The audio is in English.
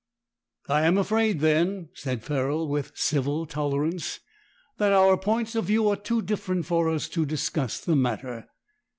"I am afraid, then," said Ferrol, with civil tolerance, "that our points of view are too different for us to discuss the matter."